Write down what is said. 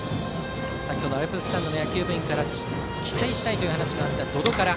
先程、アルプススタンドの野球部員から期待したいという話があった百々から。